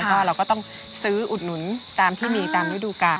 ก็เราก็ต้องซื้ออุดหนุนตามที่มีตามฤดูกาล